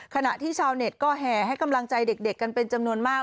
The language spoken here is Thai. ขณะที่ชาวเน็ตก็แห่ให้กำลังใจเด็กกันเป็นจำนวนมาก